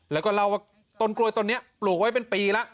แล้วก็เล่าว่าต้นกล้วยต้นนี้ปลูกไว้เป็นปีแล้ว